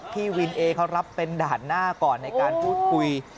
พี่วินเอเขารับเป็นด่านหน้าก่อนในการพูดคุย